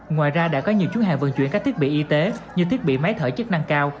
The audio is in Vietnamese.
ngoài ra đã có nhiều chuyến hàng vận chuyển các thiết bị y tế như thiết bị máy thở chức năng cao